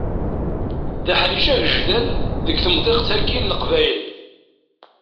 D aḥric agejdan deg temḍiqt-agi n Leqbayel.